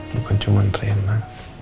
bukan cuma rena